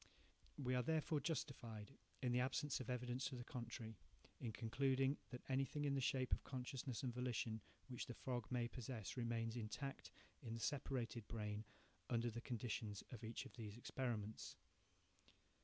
We are therefore justified, in the absence of evidence to the contrary, in concluding that anything in the shape of consciousness and volition which the frog may possess remains intact in the separated brain, under the conditions of each of these experiments.